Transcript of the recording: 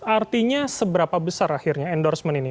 artinya seberapa besar akhirnya endorsement ini